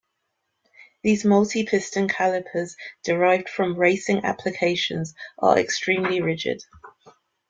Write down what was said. These multi-piston calipers derived from racing applications, are extremely rigid.